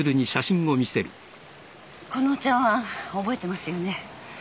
この茶わん覚えてますよね。